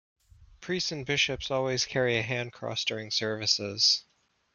Priests and Bishops always carry a Hand Cross during services.